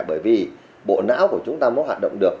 bởi vì bộ não của chúng ta muốn hoạt động được